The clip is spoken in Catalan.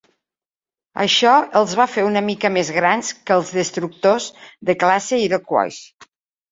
Això els va fer una mica més grans que els destructors de classe "Iroquois".